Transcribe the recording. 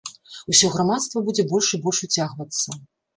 Усё грамадства будзе больш і больш уцягвацца.